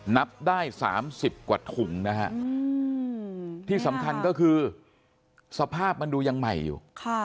นับได้๓๐กว่าถุงนะฮะที่สำคัญก็คือสภาพมันดูยังใหม่อยู่